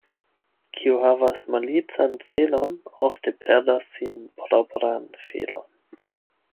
Kiu havas malican celon, ofte perdas sian propran felon.